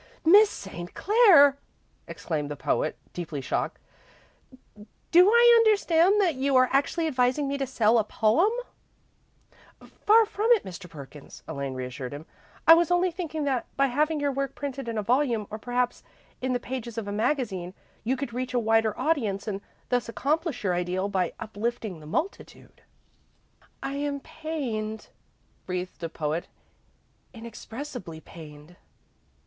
"Miss St. Clair!" exclaimed the poet, deeply shocked; "do I understand that you are actually advising me to sell a poem?" "Far from it, Mr. Perkins," Elaine reassured him. "I was only thinking that by having your work printed in a volume, or perhaps in the pages of a magazine, you could reach a wider audience, and thus accomplish your ideal of uplifting the multitude." "I am pained," breathed the poet; "inexpressibly pained."